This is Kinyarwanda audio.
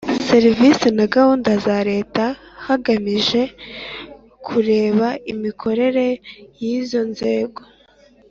serivisi na gahunda za leta hagamijwe kureba imikorere y’izo nzego